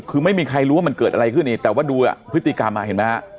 คือไม่มีใครรู้ว่ามันเกิดอะไรขึ้นอีกแต่ว่าดูพฤติกรรมอ่ะเห็นไหมฮะ